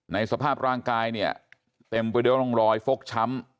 สภาพร่างกายเนี่ยเต็มไปด้วยร่องรอยฟกช้ำ